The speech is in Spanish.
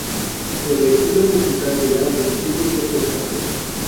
El estilo musical del álbum tuvo ciertos cambios.